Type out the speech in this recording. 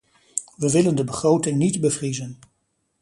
We willen de begroting niet bevriezen.